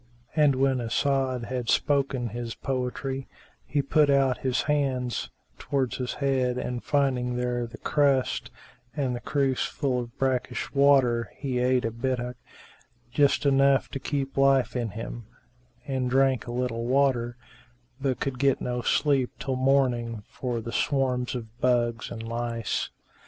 And when As'ad had spoken his poetry, he put out his hand towards his head and finding there the crust and the cruse full of brackish water he ate a bittock, just enough to keep life in him, and drank a little water, but could get no sleep till morning for the swarms of bugs[FN#383] and lice.